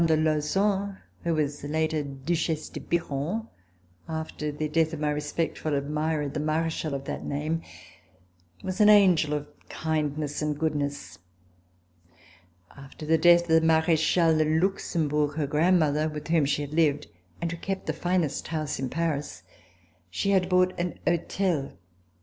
de Lauzun, who was later Duchesse de Biron, after the death of my respectful admirer, the Marechal of that name, was an angel of kindness and goodness. After the death of the Marechale de Luxembourg, her grandmother, with whom she had lived, and who kept the finest house in Paris, she had bought a hotel.